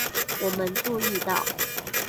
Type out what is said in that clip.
我們注意到